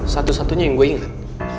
satu satunya yang gue ingat